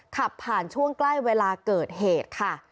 ขับผ่านช่วงใกล้เวลาเกิดเหตุค่ะ